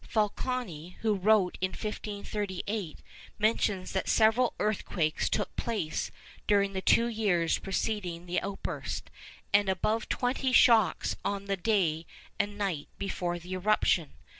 Falconi, who wrote in 1538, mentions that several earthquakes took place during the two years preceding the outburst, and above twenty shocks on the day and night before the eruption.